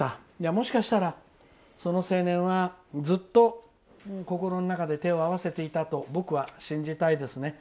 もしかしたら、その青年はずっと心の中で手を合わせていたと僕は信じたいですね。